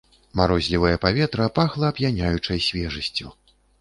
Марозлівае паветра пахла ап'яняючай свежасцю.